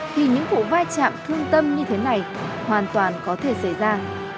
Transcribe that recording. thì những vụ vai trạm thương tâm như thế này hoàn toàn có thể xảy ra